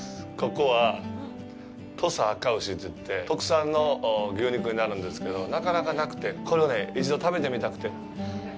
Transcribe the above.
ここは、「土佐あかうし」といって、特産の牛肉になるんですけど、なかなかなくて、これを一度食べてみたくて。